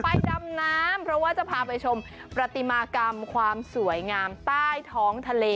ดำน้ำเพราะว่าจะพาไปชมประติมากรรมความสวยงามใต้ท้องทะเล